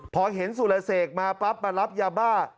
พอเห็นสุรเสกมาปั๊บมารับยาบ้า